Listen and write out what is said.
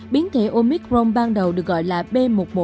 biến thể omicron ban đầu được gọi là b một một năm trăm hai mươi chín